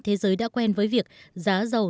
thế giới đã quen với việc giá dầu